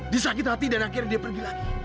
disakit hati dan akhirnya dia pergi lagi